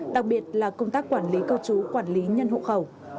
đặc biệt là công tác quản lý cư trú quản lý nhân hộ khẩu